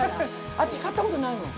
私、買った事ないもん。